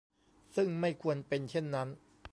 ซึ่งไม่ควรเป็นเช่นนั้น